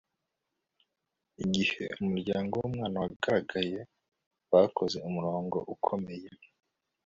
igihe umuryango wumwana wagaragaye, bakoze umurongo ukomeye